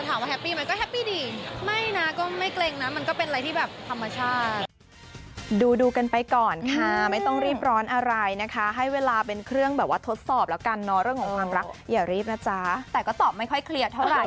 แฮปปี้ไหมก็แฮปปี้ดีไม่นะก็ไม่เกรงนะมันก็เป็นอะไรที่แบบธรรมชาติ